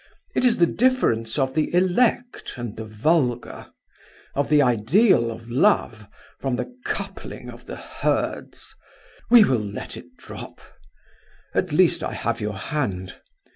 It is the difference of the elect and the vulgar; of the ideal of love from the coupling of the herds. We will let it drop. At least, I have your hand.